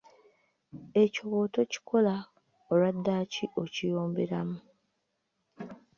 Ekyo bw'otokikola, olwa ddaaki okiyomberamu.